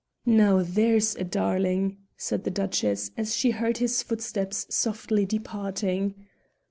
"Now there's a darling!" said the Duchess as she heard his footsteps softly departing.